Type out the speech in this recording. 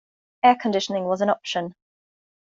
Air conditioning was an option.